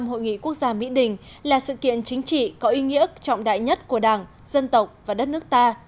hội nghị quốc gia mỹ đình là sự kiện chính trị có ý nghĩa trọng đại nhất của đảng dân tộc và đất nước ta